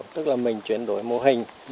tức là mình chuyển đổi mô hình